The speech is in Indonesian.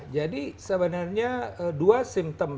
jadi sebenarnya dua simptom